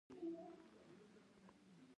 هغه مار په خپل کور کې وساته.